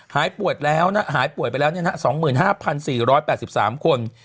หายป่วยไปแล้ว๒๕๔๘๓คน